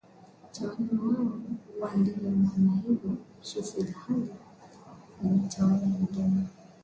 tawala wao huwa ndio Manaibu Chifu ilhali kwenye tawala nyingine Magungulugwa pia huwa Mawaziri